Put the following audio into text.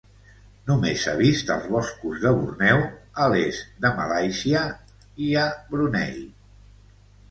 Només s'ha vist als boscos de Borneo, a l'est de Malàisia, i a Brunei.